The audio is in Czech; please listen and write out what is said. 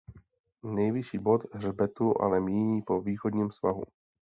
Nejvyšší bod hřbetu ale míjí po východním svahu.